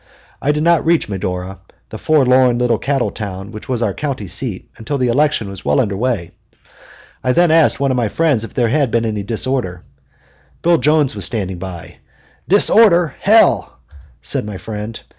I did not reach Medora, the forlorn little cattle town which was our county seat, until the election was well under way. I then asked one of my friends if there had been any disorder. Bill Jones was standing by. "Disorder hell!" said my friend.